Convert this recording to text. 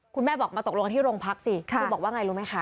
คุณแม่บอกมาตกลงกันที่โรงพักสิคุณบอกว่าไงรู้ไหมคะ